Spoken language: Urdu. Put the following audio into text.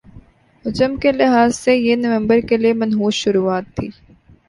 حجم کے لحاظ سے یہ نومبر کے لیے منحوس شروعات تھِی